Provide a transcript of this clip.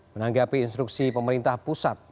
menanggapi instruksi pemerintah pusat